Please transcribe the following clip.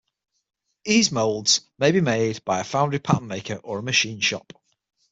These molds may be made by a foundry pattern maker or machine shop.